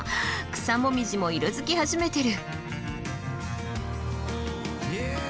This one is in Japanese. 草紅葉も色づき始めてる。